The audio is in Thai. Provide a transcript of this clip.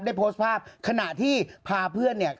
ได้โพสต์ภาพขณะที่พาเพื่อนเนี่ย